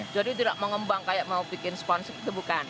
jadi tidak mengembang kayak mau bikin spons itu bukan